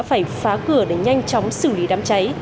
phải phá cửa để nhanh chóng xử lý đám cháy